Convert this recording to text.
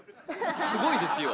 すごいですよ